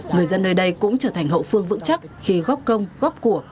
người dân nơi đây cũng trở thành hậu phương vững chắc khi góp công góp của